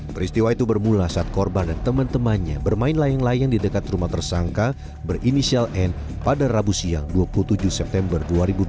peristiwa itu bermula saat korban dan teman temannya bermain layang layang di dekat rumah tersangka berinisial n pada rabu siang dua puluh tujuh september dua ribu dua puluh